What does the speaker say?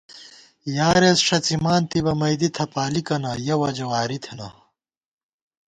یارېس ݭڅِمان تِبہ مئیدی تھپالِکنہ یَہ وجہ واری تھنہ